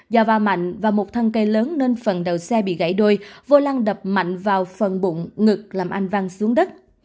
giò va mạnh và một thăng cây lớn nên phần đầu xe bị gãy đôi vô lăng đập mạnh vào phần bụng ngực làm anh văng xuống đất